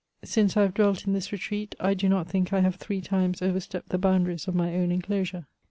Since I have dwelt in this retreat, I do not think I have three times over stepped the boundaries of my own enclosure.